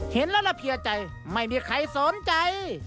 เห็นแล้วละเพียใจไม่มีใครสนใจ